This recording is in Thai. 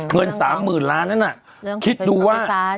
เงิน๓๕๐๐๐ล้านคิดดูว่า